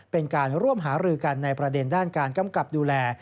เป็นการร่วมหารือกันในประเด็นด้านการกำกับดูแล